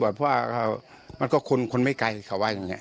เบื้องต้นมัฆนายกบอกว่าคนร้ายเนี่ยอาจจะเป็นคนในพื้นที่หรือไม่ก็หมู่บ้านใกล้เคียง